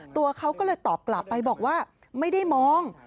ตัวเขาก็เลยตอบกลับไปบอกว่าไม่ได้มอง